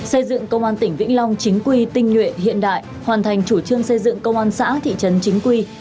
xây dựng công an tỉnh vĩnh long chính quy tinh nguyện hiện đại hoàn thành chủ trương xây dựng công an xã thị trấn chính quy